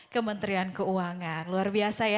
kementerian keuangan luar biasa ya